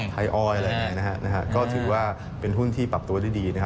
ไทยอ้อยอะไรอย่างนี้นะฮะก็ถือว่าเป็นหุ้นที่ปรับตัวได้ดีนะฮะ